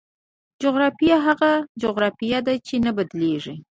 جغرافیه هغه جغرافیه ده چې نه بدلېږي.